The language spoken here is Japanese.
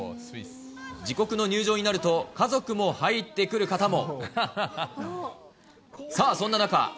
自国の入場になると、家族も入ってくる方も。